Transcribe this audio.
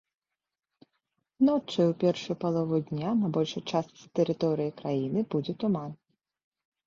Ноччу і ў першую палову дня на большай частцы тэрыторыі краіны будзе туман.